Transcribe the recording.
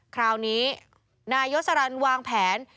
คราวนี้นายยศรรรรณศักดิ์วางแผน